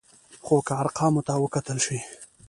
خو که ارقامو ته وکتل شي،